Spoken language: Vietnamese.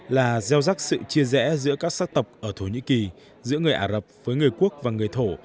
là gieo rắc sự chia rẽ giữa các sắc tộc ở thổ nhĩ kỳ giữa người ả rập với người quốc và người thổ